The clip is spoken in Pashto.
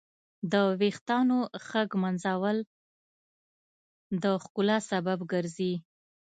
د ویښتانو ښه ږمنځول د ښکلا سبب ګرځي.